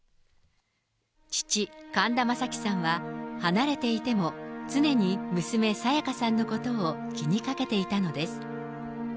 父、神田正輝さんは、離れていても常に娘、沙也加さんのことを気にかけていたのです。